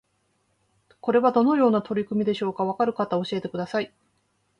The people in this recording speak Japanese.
これはどのような取り組みでしょうか？わかる方教えてください